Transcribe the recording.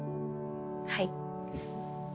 はい。